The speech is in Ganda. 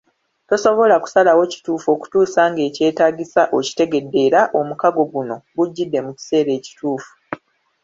Tosobola kusalawo kituufu okutuusa ng'ekyetaagisa okitegedde era omukago guno gujjidde mu kiseera ekituufu.